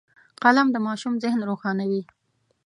قلم د ماشوم ذهن روښانوي